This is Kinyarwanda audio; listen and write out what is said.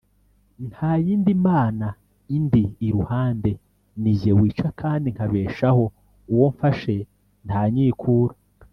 nta yindi mana indi iruhande, ni jye wica kandi nkabeshaho, uwo mfashe ntanyikura.